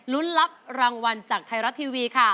รับรางวัลจากไทยรัฐทีวีค่ะ